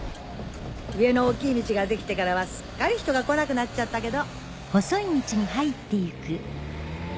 上の大きい道が出来てからはすっかり人が来なくなっちゃったけど。